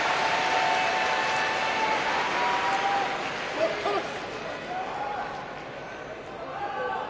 待ったなし。